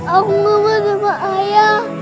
aku gak mau sama ayah